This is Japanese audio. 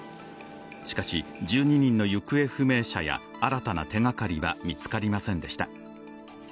しかし、１２人の行方不明者や新たな手がかりは見つかりませんでした。